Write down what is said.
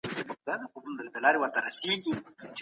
ژوند د تېرېدونکو سیوریو یو ټولګه ده.